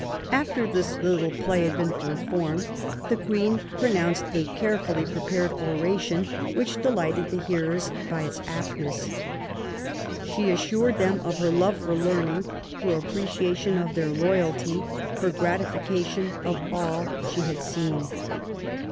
After this little play had been performed, the Queen pronounced a carefully prepared oration which delighted the hearer by its aptness. She assured them of her love for learning, her apprecia tion of their loyalty, her gratification of all she had seen.